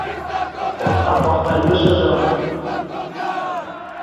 Посна-посна илышыжым